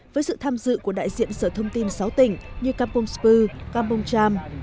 với sự tham dự của đại diện sở thông tin sáu tỉnh như campuchia